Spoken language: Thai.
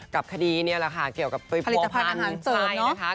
กับคดีนี้แหละค่ะเกี่ยวกับผลิตภัณฑ์อาหารเติบ